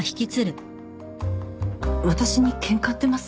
私にケンカ売ってます？